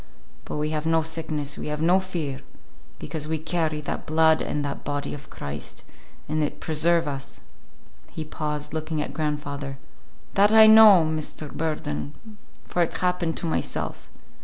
But we have no sickness, we have no fear, because we carry that blood and that body of Christ, and it preserve us." He paused, looking at grandfather. "That I know, Mr. Burden, for it happened to myself.